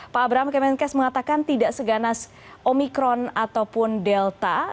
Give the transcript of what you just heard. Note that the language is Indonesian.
pak abraham kemenkes mengatakan tidak seganas omikron ataupun delta